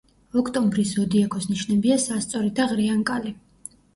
ოქტომბრის ზოდიაქოს ნიშნებია სასწორი და ღრიანკალი.